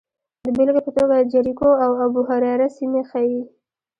د بېلګې په توګه جریکو او ابوهریره سیمې ښيي